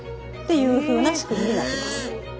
いうふうな仕組みになっています。